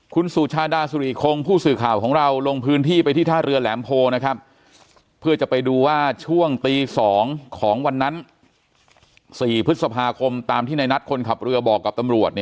คุณสูชาดาสุริคงผู้สื่อข่าวของเราลงพื้นที่ไปที่ท่าเรือแหลมโพนะครับ